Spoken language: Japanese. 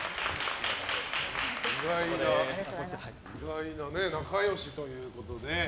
意外に仲良しということでね。